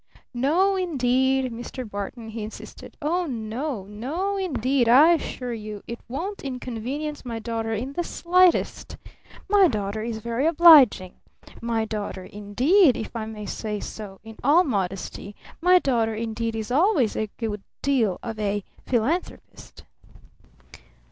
"No, indeed, Mr. Barton," he insisted. "Oh, no no indeed I assure you it won't inconvenience my daughter in the slightest! My daughter is very obliging! My daughter, indeed if I may say so in all modesty my daughter indeed is always a good deal of a philanthropist!"